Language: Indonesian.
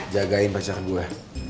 jagain pacar gue